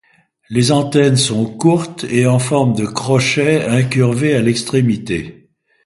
Les antennes sont courtes et en forme de crochet incurvé à l'extrémité.